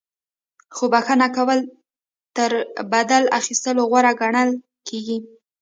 خو بخښنه کول تر بدل اخیستلو غوره ګڼل کیږي.